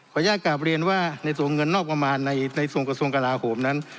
ขออนุญาตกราบเรียนว่าในตัวเงินนอกมุมประมาณในส่วนกระทรวงกราห่อโหมนั้น